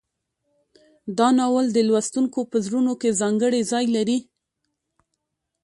دا ناول د لوستونکو په زړونو کې ځانګړی ځای لري.